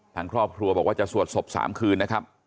ทางครอบครัวบอกว่าจะสวดศพ๓คืนนะครับ